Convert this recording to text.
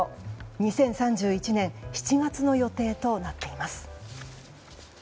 ２０３１年７月の予定となっています。